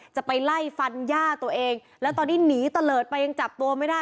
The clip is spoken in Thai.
จะไปไล่ฟันย่าตัวเองแล้วตอนนี้หนีตะเลิศไปยังจับตัวไม่ได้